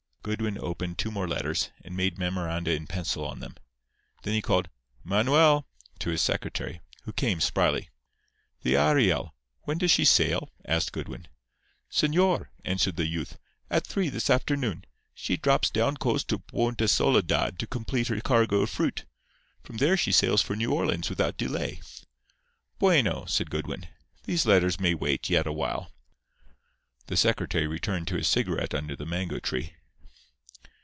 Goodwin opened two more letters, and made memoranda in pencil on them. Then he called "Manuel!" to his secretary, who came, spryly. "The Ariel—when does she sail?" asked Goodwin. "Señor," answered the youth, "at three this afternoon. She drops down coast to Punta Soledad to complete her cargo of fruit. From there she sails for New Orleans without delay." "Bueno!" said Goodwin. "These letters may wait yet awhile." The secretary returned to his cigarette under the mango tree.